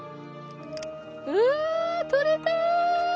うわとれた！